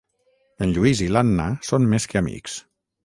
En Lluís i l'Anna són més que amics.